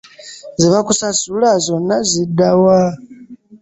Ze bakusasula zonna zidda wa?